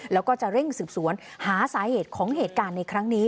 แล้วก็จะเร่งสืบสวนหาสาเหตุของเหตุการณ์ในครั้งนี้